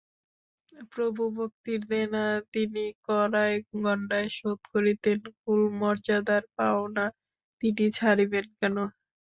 প্রভুভক্তির দেনা তিনি কড়ায় গণ্ডায় শোধ করিতেন, কুলমর্যাদার পাওনা তিনি ছাড়িবেন কেন।